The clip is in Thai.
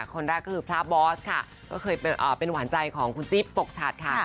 คนแรกก็คือพระบอสค่ะก็เคยเป็นหวานใจของคุณจิ๊บปกฉัดค่ะ